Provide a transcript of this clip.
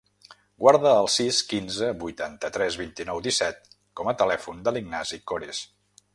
Guarda el sis, quinze, vuitanta-tres, vint-i-nou, disset com a telèfon de l'Ignasi Cores.